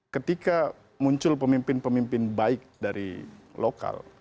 ketika muncul pemimpin pemimpin baik dari lokal